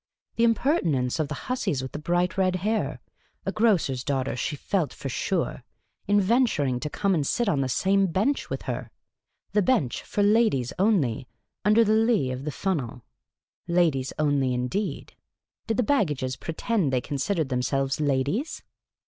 The impertinence of the hussies with the bright red hair — a grocer's daughters, she felt sure — in venturing to come and sit on the same bench with her — the bench " for ladies only," under the lee of the funnel !" Ladies only," indeed ! Did the baggages pretend they considered themselves ladies